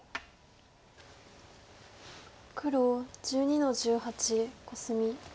黒１２の十八コスミ。